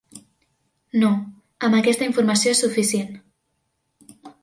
No, amb aquesta informació és suficient.